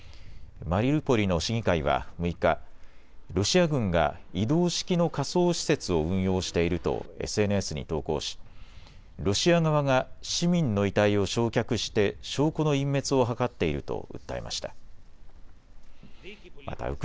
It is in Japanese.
マリウポリの市議会は６日、ロシア軍が移動式の火葬施設を運用しているとＳＮＳに投稿しロシア側が市民の遺体を焼却して証拠の隠滅を図っていると訴えました。